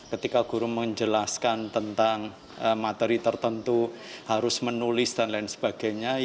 ketika guru menjelaskan tentang materi tertentu harus menulis dan lain sebagainya